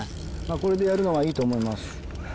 これでやるのがいいと思います